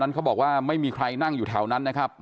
จนกระทั่งหลานชายที่ชื่อสิทธิชัยมั่นคงอายุ๒๙เนี่ยรู้ว่าแม่กลับบ้าน